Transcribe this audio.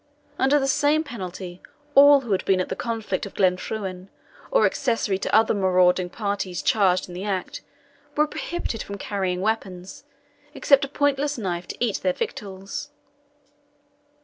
Under the same penalty, all who had been at the conflict of Glenfruin, or accessory to other marauding parties charged in the act, were prohibited from carrying weapons, except a pointless knife to eat their victuals.